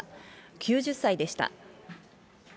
９０歳でした。